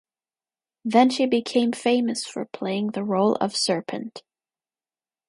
Then she became famous for playing the role of serpent.